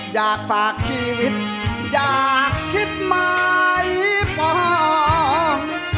อยากฝากชีวิตอยากคิดมาอีกก่อน